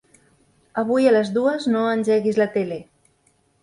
Avui a les dues no engeguis la tele.